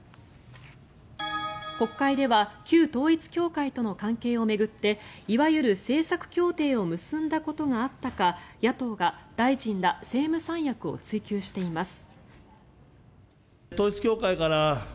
国会では旧統一教会との関係を巡っていわゆる政策協定を結んだことがあったか野党が大臣ら政務三役を追及しています。